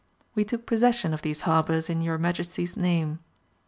We took possession of these harbours in your Majesty's name.